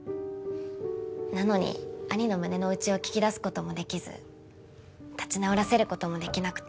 なのに義兄の胸の内を聞き出す事もできず立ち直らせる事もできなくて。